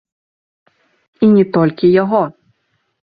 І не толькі яго.